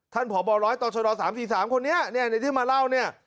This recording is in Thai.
พบร้อยต่อชด๓๔๓คนนี้เนี่ยในที่มาเล่าเนี่ย